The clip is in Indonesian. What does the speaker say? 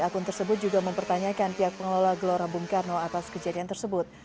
akun tersebut juga mempertanyakan pihak pengelola gelora bung karno atas kejadian tersebut